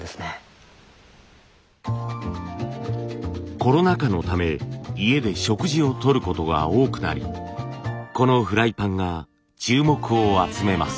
コロナ禍のため家で食事をとることが多くなりこのフライパンが注目を集めます。